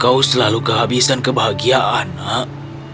kau selalu kehabisan kebahagiaan nak